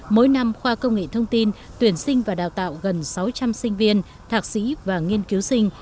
mỗi năm khoa công nghệ thông tin tuyển sinh và đào tạo gần sáu trăm linh sinh viên thạc sĩ và nghiên cứu sinh